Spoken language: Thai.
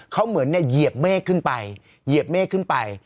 เขาเหมือนเนี่ยเหยียบเมฆขึ้นไปเหยียบเมฆขึ้นไป